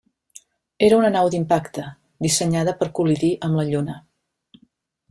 Era una nau d'impacte, dissenyada per col·lidir amb la Lluna.